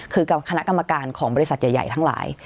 คือกับคณะกรรมการของบริษัทใหญ่ทั้งหลาย